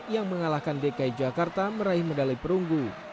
yang mengalahkan dki jakarta meraih medali perunggu